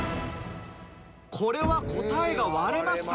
これは答えが割れました。